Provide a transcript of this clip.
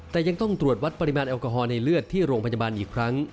แต่ยังต้องตรวจวัดปริมาณแอลกอฮอลในเลือดที่โรงพยาบาลอีกครั้ง